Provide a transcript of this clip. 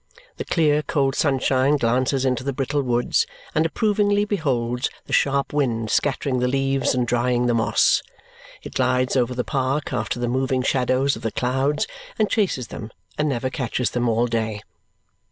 The clear, cold sunshine glances into the brittle woods and approvingly beholds the sharp wind scattering the leaves and drying the moss. It glides over the park after the moving shadows of the clouds, and chases them, and never catches them, all day.